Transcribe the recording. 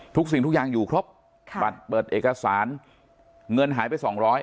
ทุกสิ่งทุกอย่างอยู่ครับค่ะปัดเปิดเอกสารเงินหายไปสองร้อย